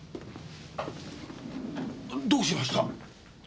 どうしました？